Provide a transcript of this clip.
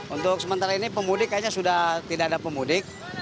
untuk sementara ini pemudik kayaknya sudah tidak ada pemudik